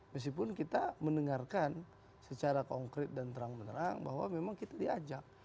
meskipun kita mendengarkan secara konkret dan terang benerang bahwa memang kita diajak